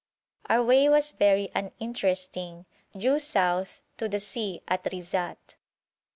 Our way was very uninteresting, due south to the sea at Rizat.